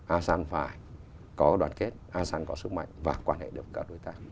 asean phải có đoàn kết asean có sức mạnh và quan hệ được các đối tác